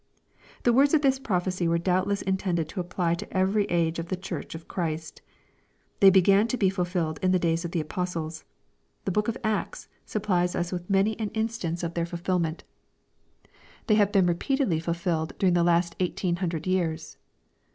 The words of this prophecy were doubtless intended ^tf) apply to every age of the Church of Christ. They began to be fulfilled in the days of the apostles. The book of Acts supplies us with many an instance of their liUEK^ CHAP. XXI. 363 fulfilment. — Thej have been repeatedly fulfilled during the last eighteen hundred years.